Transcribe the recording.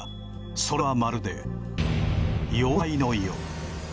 それはまるで要塞のよう。